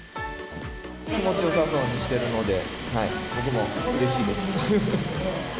気持ちよさそうにしてるので、僕もうれしいです。